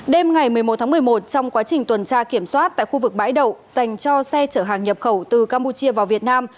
đêm ngày một mươi một tháng một mươi một trong quá trình tuần tra kiểm soát tại khu vực bãi đậu dành cho xe chở hàng nhập khẩu từ campuchia vào việt nam